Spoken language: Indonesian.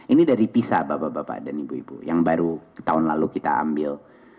ini dari pisa bapak bapak dan ibu ibu yang baru tahun lalu kita ambil